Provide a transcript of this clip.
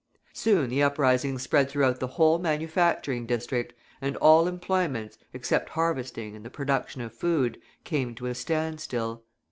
Soon the uprising spread throughout the whole manufacturing district, and all employments, except harvesting and the production of food, came to a standstill.